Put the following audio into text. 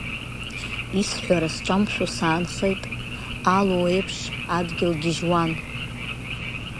Исҳәара сҿамшәо саанхеит, алу еиԥш, адгьыл гьежьуан.